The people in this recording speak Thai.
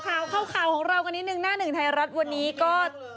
ข่าวข่าวข่าวของเรากันหนึ่งนะหนึ่งไทยรัฐวันนี้ก็